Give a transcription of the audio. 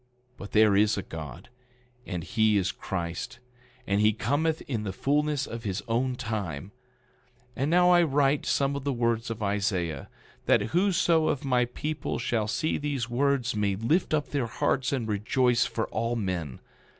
But there is a God, and he is Christ, and he cometh in the fulness of his own time. 11:8 And now I write some of the words of Isaiah, that whoso of my people shall see these words may lift up their hearts and rejoice for all men.